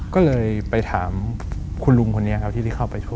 ก็เลยไปถามคุณลุงคนนี้ครับที่เข้าไปช่วย